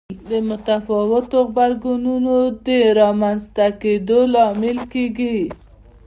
د متفاوتو غبرګونونو د رامنځته کېدو لامل کېږي.